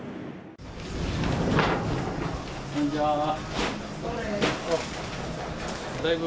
こんにちは。